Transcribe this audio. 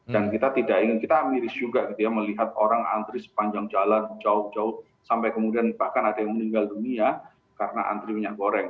dan kita tidak ingin kita miris juga ketika melihat orang antri sepanjang jalan jauh jauh sampai kemudian bahkan ada yang meninggal dunia karena antri minyak goreng